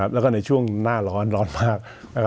แล้วก็ในช่วงหน้าร้อนร้อนมาก